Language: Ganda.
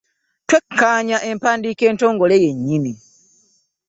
Twekkaanye empandiika entongole yennyini.